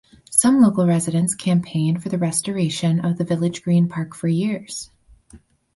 Some local residents campaigned for the restoration of the Village Green Park for years.